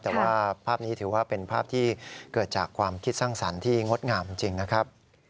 แต่ว่าภาพนี้ถือว่าเป็นภาพที่เกิดจากความคิดสร้างสรรค์ที่งดงามจริงนะครับ